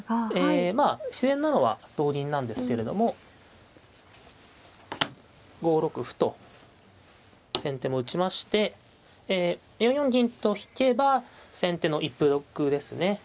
まあ自然なのは同銀なんですけれども５六歩と先手も打ちましてえ４四銀と引けば先手の一歩得ですね。